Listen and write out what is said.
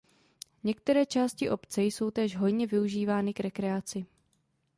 Některé části obce jsou též hojně využívány k rekreaci.